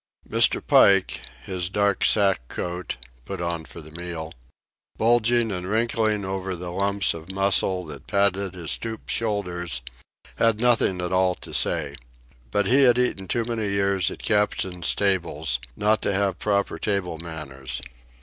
Mr. Pike, his dark sack coat (put on for the meal) bulging and wrinkling over the lumps of muscles that padded his stooped shoulders, had nothing at all to say. But he had eaten too many years at captains' tables not to have proper table manners.